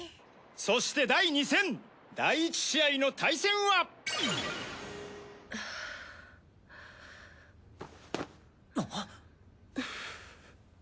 そして第２戦第１試合の対戦ははぁ。